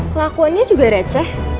kelakuannya juga receh